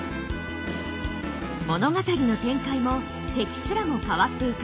物語の展開も敵すらも変わっていく